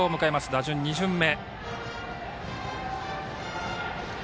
打順２巡目。